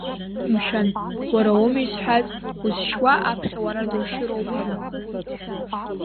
Мшәан, уара уоми изҳәаз, узшьуа аԥхьа уара душьыроуп ҳәа?